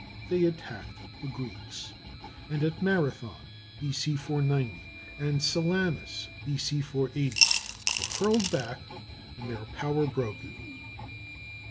They attacked the Greeks, and at Marathon (B.C. 490) and Salamis (B.C. 480) were hurled back and their power broken.